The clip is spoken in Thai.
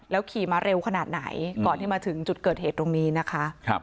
ขี่มาเร็วขนาดไหนก่อนที่มาถึงจุดเกิดเหตุตรงนี้นะคะ